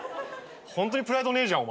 ホントにプライドねえじゃん